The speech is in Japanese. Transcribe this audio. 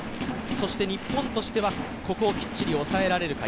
日本としてはここをきっちり抑えられるか。